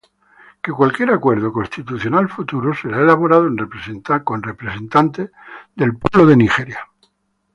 Que cualquier acuerdo constitucional futuro será elaborado por representantes del pueblo de Nigeria.